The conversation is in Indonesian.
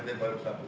kau perhatiin aku